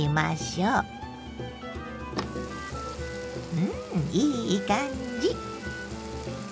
うんいい感じ。